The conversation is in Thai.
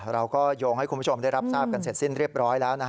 เราก็โยงให้คุณผู้ชมได้รับทราบกันเสร็จสิ้นเรียบร้อยแล้ว